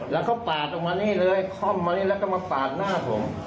แล้วก็ปาดออกมานี่เลยค่อมมานี่แล้วก็มาปาดหน้าผม